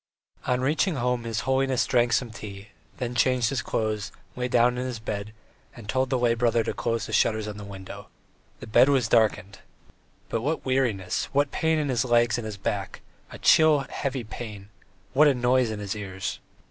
On reaching home his holiness drank some tea, then changed his clothes, lay down on his bed, and told the lay brother to close the shutters on the windows. The bedroom was darkened. But what weariness, what pain in his legs and his back, a chill heavy pain, what a noise in his ears!